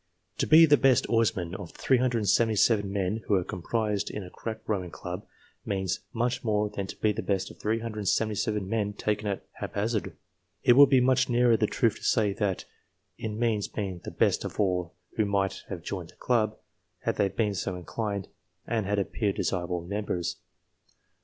To be the best oarsman of the 377 men who are comprised in a crack rowing club, means much more than to be the best of 377 men taken at haphazard. It would be much nearer the truth to say, that it means being the best of all who might have joined the club, had they been so inclined and had appeared desirable members.